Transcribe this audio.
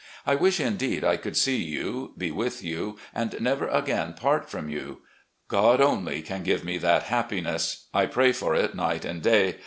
I wish indeed I could see you, be with you, and never again part from you. God only can give me that happiness. I pray for it night and day.